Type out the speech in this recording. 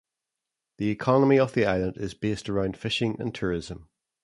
The economy of the island is based around fishing and tourism.